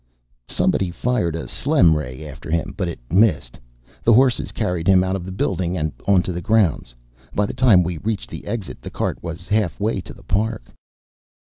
"Somebody fired a Slem ray after him, but it missed. The horses carried him out of the building and onto the grounds. By the time we reached the exit the cart was half way to the park."